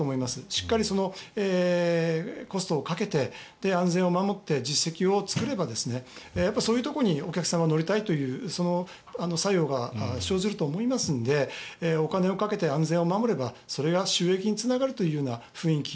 しっかりコストをかけて安全を守って実績を作ればそういうところにお客さんは乗りたいという作用が生じると思いますのでお金をかけて安全を守ればそれが収益につながるという雰囲気